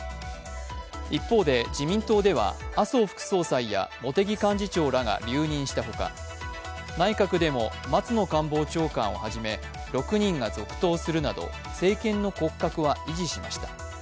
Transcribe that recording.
一方で、自民党では麻生副総裁や茂木幹事長らが留任したほか、内閣でも松野官房長官をはじめ、６人が続投するなど政権の骨格は維持しました。